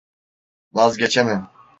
Vazgeçemem.